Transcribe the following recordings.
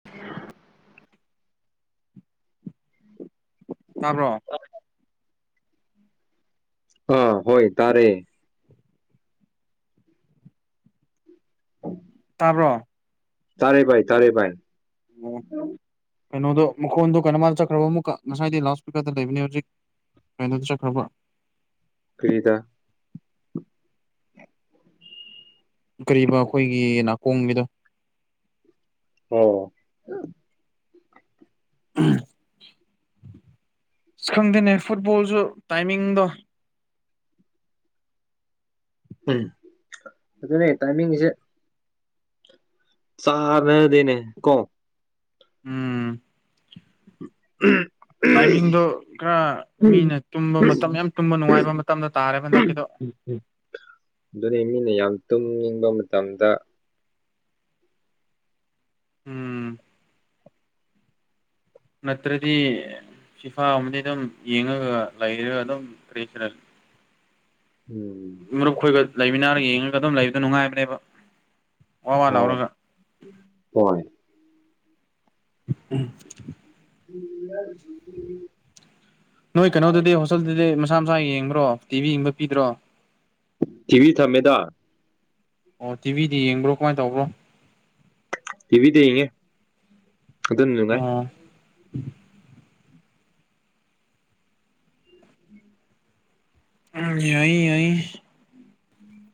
[unintelligible] ꯇꯥꯕ꯭ꯔꯣ [unintelligible] ꯑꯥ ꯍꯣꯏ ꯇꯥꯔꯦ [unintelligible] ꯇꯕ꯭ꯔꯣ ꯇꯥꯔꯦ ꯕꯥꯏ ꯇꯔꯦ ꯕꯥꯥꯏ ꯑꯣ [unintelligible] ꯀꯩꯅꯣꯗꯣ ꯃꯈꯣꯟꯗ ꯀꯩꯅꯝꯅ ꯆꯠꯈ꯭ꯔꯕ ꯑꯃꯨꯛꯀ ꯉꯁꯥꯏꯗꯤ ꯂꯥꯎ ꯏꯁꯄꯤꯀꯔꯗ ꯂꯩꯕꯅꯦ ꯍꯧꯖꯤꯛ ꯀꯩꯅꯣꯗ ꯆꯠꯈ꯭ꯔꯥꯕ ꯀꯔꯤꯗ ꯀꯔꯤꯕ ꯑꯩꯈꯣꯏꯒꯤ ꯅꯥꯀꯣꯡꯕꯤꯗꯣ ꯑꯣ ꯁꯪꯗꯦꯅꯦ ꯐꯨꯠꯕꯣꯜꯖꯨ ꯇꯥꯏꯃꯤꯡꯗꯣ ꯎꯝ ꯑꯗꯨꯅꯦ ꯇꯥꯏꯃꯤꯡꯖꯦ ꯆꯥꯅꯗꯦꯅꯦ ꯀꯣ ꯎꯝ ꯇꯥꯏꯃꯤꯡꯗꯣ ꯈꯔ ꯃꯤꯅ ꯇꯨꯝꯕ ꯃꯇꯝ ꯌꯥꯝ ꯇꯨꯝꯕ ꯅꯨꯡꯉꯥꯏꯕ ꯃꯇꯝꯗ ꯇꯥꯔꯦ ꯍꯟꯗꯛꯀꯤꯗꯣ [unintelligible] ꯑꯗꯨꯅꯦ ꯃꯤꯅ ꯌꯥꯝ ꯇꯨꯝꯅꯤꯡꯕ ꯃꯇꯝꯗ ꯎꯝ ꯅꯠꯇ꯭ꯔꯗꯤ ꯐꯤꯐꯥ ꯒꯃꯝꯕꯗꯤ ꯑꯗꯨꯝ ꯌꯦꯡꯉꯒ ꯂꯩꯔꯒ ꯑꯗꯨꯝ [unintelligible] ꯎꯝ ꯃꯔꯨꯞ ꯑꯩꯈꯣꯏꯒ ꯂꯩꯃꯤꯟꯅꯔꯒ ꯌꯦꯡꯉꯒ ꯑꯗꯨꯝ ꯂꯩꯕꯗꯣ ꯅꯨꯡꯉꯥꯏꯕꯅꯦꯕ ꯋꯥ ꯋꯥ ꯑꯣ ꯂꯥꯎꯔꯒ ꯍꯣꯏ [unintelligible] ꯎꯝ ꯌꯥꯔꯦ꯫ ꯅꯣꯏ ꯀꯩꯅꯣꯗꯨꯗꯤ ꯍꯣꯁꯇꯦꯜꯗꯨꯗꯤ ꯃꯁꯥ ꯃꯁꯥ ꯌꯦꯡꯕ꯭ꯔꯣ ꯇꯤꯚꯤ ꯌꯦꯡꯕ ꯄꯤꯗ꯭ꯔꯣ꯫ ꯊꯤꯚꯤ ꯊꯝꯃꯦꯗ꯫ ꯑꯣ ꯇꯤꯚꯤꯗꯤ ꯌꯦꯡꯕ꯭ꯔꯣ ꯀꯃꯥꯏ ꯇꯧꯕ꯭ꯔꯣ꯫ ꯇꯤꯕꯤꯗꯤ ꯌꯦꯡꯉꯦ ꯑꯗꯨꯅ ꯅꯨꯡꯉꯥꯏ꯫ ꯑꯣ ꯎꯝ ꯌꯥꯏ ꯌꯥꯏ꯫ ꯎꯝ꯫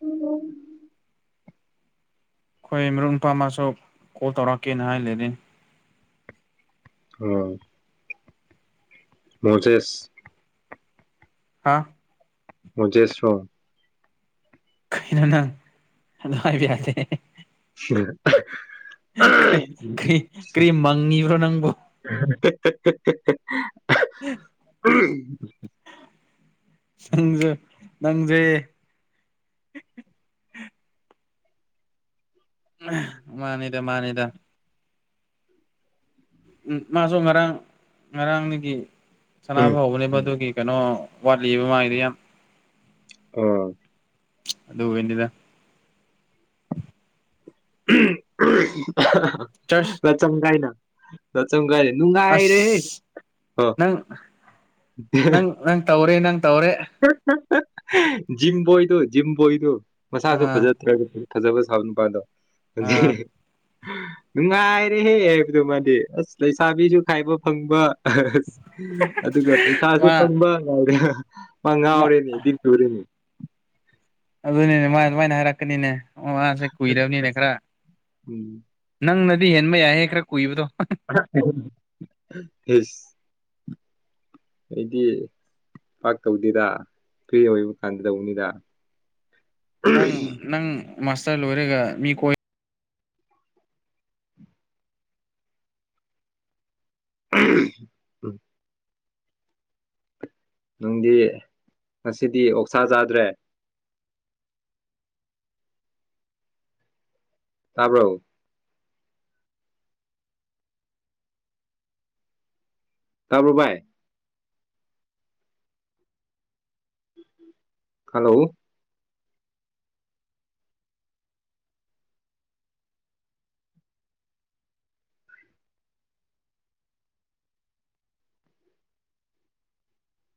ꯎ꯫ ꯈꯣꯏ ꯃꯔꯨꯞ ꯅꯨꯄꯥ ꯑꯃꯁꯨ ꯀꯣꯜ ꯇꯧꯔꯛꯀꯦꯅ ꯍꯥꯏ ꯂꯩꯔꯦꯅꯤ꯫ ꯎꯝ꯫ ꯃꯣꯖꯦꯁ꯫ ꯍꯥꯥ꯫ ꯃꯣꯖꯦꯁ ꯔꯣ꯫ ꯍꯤꯅꯣ ꯅꯪ ꯑꯗꯨ ꯍꯥꯏꯕ ꯌꯥꯥꯗꯦ ꯍꯦꯍꯦ꯫ ꯎꯝ꯫ ꯀꯩ ꯀ꯭ꯔꯤ ꯀ꯭ꯔꯤ ꯃꯪꯉꯤꯕ꯭ꯔꯣ ꯅꯪꯕꯣ꯫ [unintelligible] ꯌꯥꯍ꯫ ꯑꯎꯝ꯫ ꯅꯪꯖꯨ ꯅꯪꯖꯦ꯫ ꯑꯝꯍ ꯃꯥꯅꯤꯗ ꯃꯥꯅꯤꯗ꯫ ꯎꯝ ꯃꯥꯖꯨ ꯉꯔꯥꯡ ꯉꯔꯥꯡꯗꯒꯤ ꯎꯝ ꯎꯝ ꯁꯅꯥꯅꯕ ꯍꯧꯕꯅꯦꯕ ꯑꯗꯨꯒꯤ꯫ ꯀꯅꯣ ꯋꯥꯠꯂꯤꯕ ꯃꯥꯏꯗꯤ ꯌꯥꯝ꯫ ꯑ ꯑꯗꯨꯒꯤꯅꯤꯗ꯫ ꯆꯔꯆ ꯂ ꯆꯝ ꯒꯥꯏꯅ꯫ ꯂ ꯆꯝꯒꯥꯏꯅ ꯅꯨꯡꯉꯥꯏꯔꯦ ꯍꯦ꯫ ꯑꯁ ꯅꯪ ꯅꯪ ꯅꯪ ꯇꯧꯔꯦ ꯅꯪ ꯇꯧꯔꯦ꯫ ꯖꯤꯝ ꯕꯣꯏꯗꯨ ꯖꯤꯝ ꯕꯣꯏꯗꯨ ꯃꯁꯥꯖꯨ ꯑꯥ ꯐꯖ ꯇꯔꯒ꯫ ꯐꯖꯕ ꯁꯥꯕ ꯅꯨꯄꯥꯥꯗꯣ꯫ ꯑꯥ ꯅꯨꯡꯉꯥꯏꯔꯦꯍꯦ ꯍꯥꯏꯕꯗꯣ ꯃꯥꯗꯤ ꯑꯁ ꯂꯩꯁꯥꯕꯤꯁꯨ ꯈꯥꯏꯕ ꯐꯪꯕ꯫ ꯑꯁ ꯑꯗꯨꯒ ꯄꯩꯁꯥꯁꯨ ꯃꯥ ꯐꯪꯕ ꯃꯥ ꯉꯥꯎꯔꯦꯅꯦꯗꯤ꯫ ꯇꯣꯔꯤꯅꯦ꯫ ꯑꯗꯨꯅꯤꯅꯦ ꯃꯥꯏ ꯗꯨꯃꯥꯏꯅ ꯍꯥꯏꯔꯛꯀꯅꯤꯅꯦ ꯑꯣ ꯃꯥꯁꯦ ꯀꯨꯏꯔꯕꯅꯤꯅꯦ ꯈꯔ꯫ ꯎꯝ ꯅꯪꯅꯗꯤ ꯍꯦꯟꯕ ꯌꯥꯏꯍꯦ ꯈꯔ ꯀꯨꯏꯕꯗꯣ꯫ ꯏꯁ꯫ ꯑꯩꯗꯤ ꯄꯥꯛ ꯇꯧꯗꯦꯗ ꯐ꯭ꯔꯤ ꯑꯣꯏꯕ ꯀꯥꯟꯗ ꯇꯧꯅꯤꯗ ꯅꯪ ꯅꯪ ꯃꯥꯁꯇꯔ ꯂꯣꯏꯔꯒ ꯃꯤ ꯈꯣꯏ ꯎꯝ ꯅꯨꯡꯗꯤ ꯉꯁꯤꯗꯤ ꯑꯣꯛꯁꯥ ꯆꯥꯗ꯭ꯔꯦ ꯇꯥꯕ꯭ꯔꯣ ꯇꯥꯕ꯭ꯔꯣ ꯚꯥꯏ ꯍꯜꯂꯣ